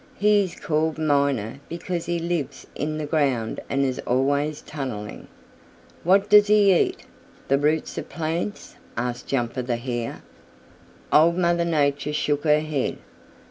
He is called Miner because he lives in the ground and is always tunneling." "What does he eat, the roots of plants?" asked Jumper the Hare. Old Mother Nature shook her head.